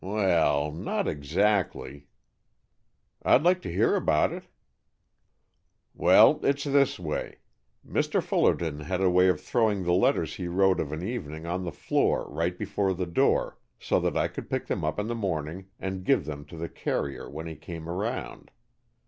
"Well, not exactly, " "I'd like to hear about it." "Well, it's this way. Mr. Fullerton had a way of throwing the letters he wrote of an evening on the floor right before the door, so that I could pick them up in the morning and give them to the carrier when he came around.